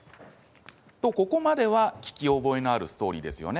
ここまでは聞き覚えのあるストーリーですよね。